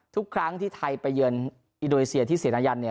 ทุกครั้งที่ไทยไปเยือนอินโดนีเซียที่เสียนายันเนี่ย